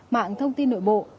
mạng thông tin nội bộ